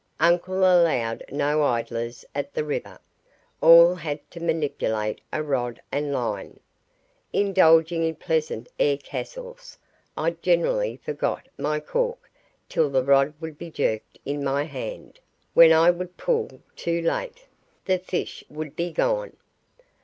Uncle allowed no idlers at the river all had to manipulate a rod and line. Indulging in pleasant air castles, I generally forgot my cork till the rod would be jerked in my hand, when I would pull too late! the fish would be gone.